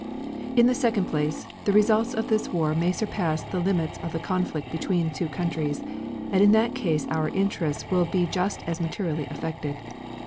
In the second place, the results of this war may surpass the limits of the conflict between two countries, and in that case our interests will be just as materially affected.